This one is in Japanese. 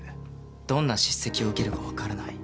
どんな叱責を受けるかわからない。